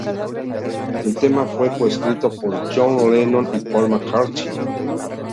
El tema fue co-escrito por John Lennon y Paul McCartney.